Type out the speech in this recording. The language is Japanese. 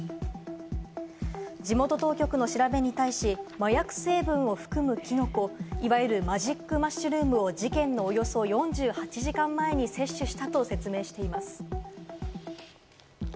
地元当局の調べに対し、麻薬成分を含むキノコ、いわゆるマジックマッシュルームを事件のおよそ４８時間前に摂取したと説明しています。